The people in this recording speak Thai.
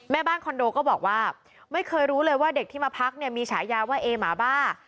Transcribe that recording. แม่บ้านคอนโดก็บอกว่าไม่เคยรู้เลยว่าเด็กที่มาพักเนี่ยมีฉายาว่าเอหมาบ้า